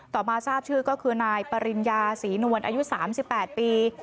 มาทราบชื่อก็คือนายปริญญาศรีนวลอายุ๓๘ปี